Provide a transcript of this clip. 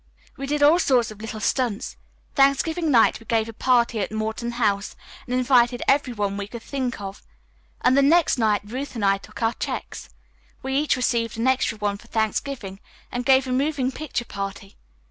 We did all sorts of little stunts. Thanksgiving night we gave a party at Morton House and invited every one we could think of, and the next night Ruth and I took our checks, we each received an extra one for Thanksgiving, and gave a moving picture party.